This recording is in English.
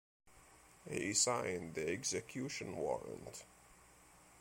He signed the execution warrant.